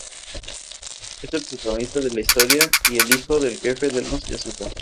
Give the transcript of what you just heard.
Es el protagonista de la historia y el hijo del jefe de los yakuza.